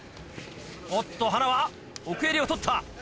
おっと塙奥襟を取った。